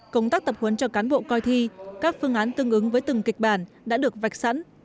công tác tập huấn cho cán bộ coi thi các phương án tương ứng với từng kịch bản đã được vạch sẵn